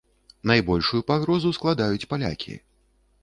Найбольшую пагрозу складаюць палякі.